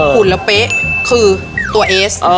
ผูนและเป๊ะคือตัวเอส